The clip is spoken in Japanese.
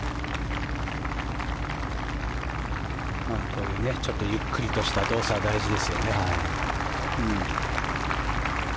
こういうちょっとゆっくりとした動作は大事ですよね。